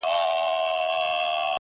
تږي شپې مي پی کړې د سبا په سرابونو کي٫